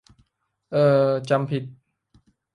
เอ้อ จำผิด